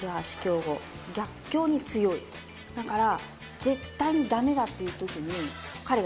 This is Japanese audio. だから。